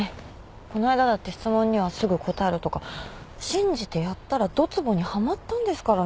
この間だって質問にはすぐ答えろとか信じてやったらどつぼにはまったんですからね。